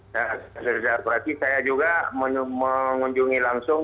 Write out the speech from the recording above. sudah selesai operasi saya juga mengunjungi langsung